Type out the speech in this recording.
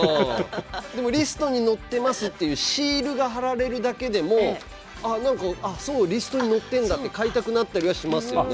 でもリストに載ってますっていうシールが貼られるだけでもあ何かリストに載ってんだって買いたくなったりはしますよね。